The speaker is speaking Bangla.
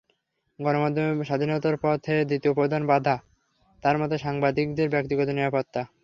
গণমাধ্যমের স্বাধীনতার পথে দ্বিতীয় প্রধান বাধা, তাঁর মতে সাংবাদিকদের ব্যক্তিগত নিরাপত্তা।